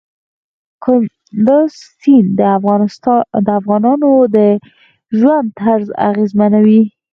کندز سیند د افغانانو د ژوند طرز اغېزمنوي.